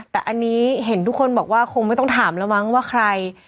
แต่อันนี้เห็นทุกคนบอกว่าคงไม่ต้องถามแล้วมั้งว่าใคร